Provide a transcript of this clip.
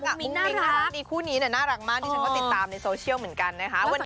คุณนี้เนี่ยน่ารักมากนี่ฉันก็ติดตามในโซเชียลเหมือนกันนะครับ